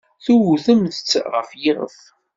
Tewtem-tt ɣer yiɣef.